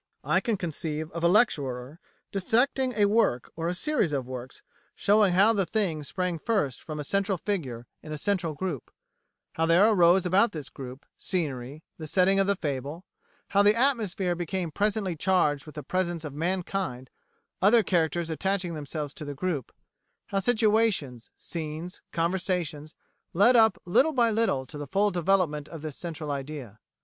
"I can conceive of a lecturer dissecting a work, or a series of works, showing how the thing sprang first from a central figure in a central group; how there arose about this group, scenery, the setting of the fable; how the atmosphere became presently charged with the presence of mankind, other characters attaching themselves to the group; how situations, scenes, conversations, led up little by little to the full development of this central idea.